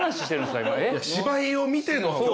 芝居を見ての。